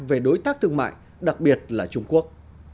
về đối tác thương mại đặc biệt là trung quốc